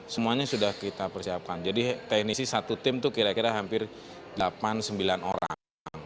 semuanya sudah kita persiapkan jadi teknisi satu tim itu kira kira hampir delapan sembilan orang